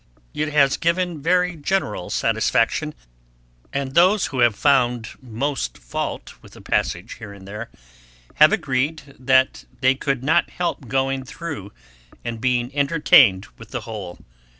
It has given very general satisfaction; and those who have found most fault with a passage here and there, have agreed that they could not help going through, and being entertained with the whole.